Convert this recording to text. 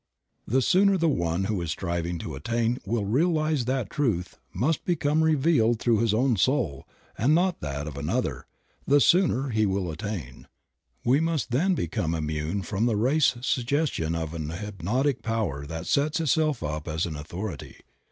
The sooner the one who is striving to attain will realize that truth must become revealed through his own soul, and not that of another, the sooner he will attain. We must then become immune from the race suggestion of an hypnotic power that sets itself up as an authority.